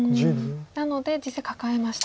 なので実戦カカえました。